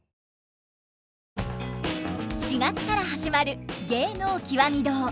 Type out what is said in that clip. ４月から始まる「芸能きわみ堂」。